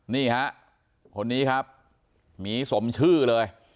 นี่ฮะคนนี้ครับหมีสมชื่อเลย